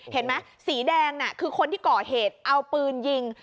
เห็นไหมสีแดงน่ะคือคนที่ก่อเหตุเอาปืนยิง